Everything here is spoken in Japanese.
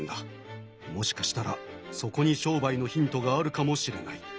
もしかしたらそこに商売のヒントがあるかもしれない。